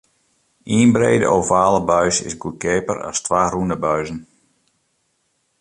Ien brede ovale buis is goedkeaper as twa rûne buizen.